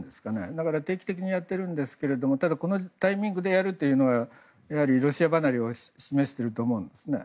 だから定期的にやっているんですがこのタイミングでやるというのはやはりロシア離れを示していると思うんですね。